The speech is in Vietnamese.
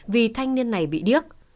vì thanh niên này bị điếc